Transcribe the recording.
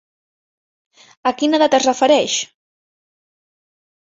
A quina edat es refereix?